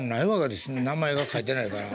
名前が書いてないから。